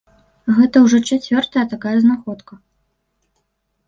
Гэта ўжо чацвёртая такая знаходка.